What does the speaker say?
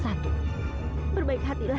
jangan berdiri juma